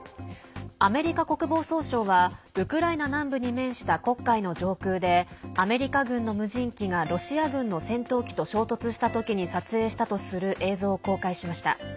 アメリカ国防総省はウクライナ南部に面した黒海の上空でアメリカ軍の無人機がロシア軍の戦闘機と衝突した時に撮影したとする映像を公開しました。